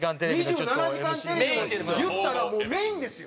『２７時間テレビ』のいったらもうメインですよ！